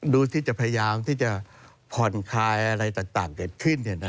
ดูที่จะพยายามที่จะผ่อนคลายอะไรต่างเกิดขึ้น